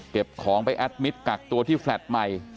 ของไปแอดมิตรกักตัวที่แฟลต์ใหม่